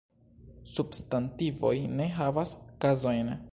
Substantivoj ne havas kazojn.